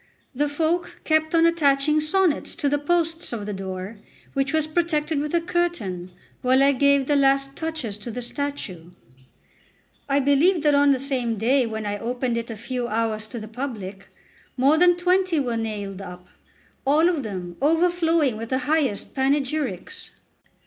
The folk kept on attaching sonnets to the posts of the door, which was protected with a curtain while I gave the last touches to the statue. I believe that on the same day when I opened it a few hours to the public, more than twenty were nailed up, all of them overflowing with the highest panegyrics.